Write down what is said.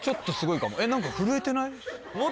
何か震えてない？